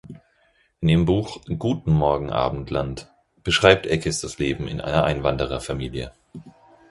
In ihrem Buch "Guten Morgen, Abendland" beschreibt Eckes das Leben in einer Einwandererfamilie.